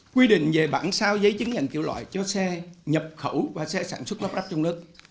quy định về bản sao giấy chứng nhận kiểu loại cho xe nhập khẩu và xe sản xuất lắp ráp trong nước